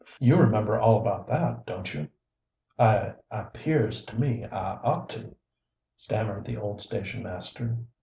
You remember all about that, don't you?" "I I 'pears to me I ought to," stammered the old station master.